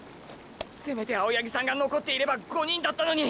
せめて青八木さんが残っていれば５人だったのに。